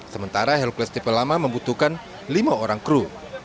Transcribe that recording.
sementara hercules tipe lama membutuhkan lima orang kru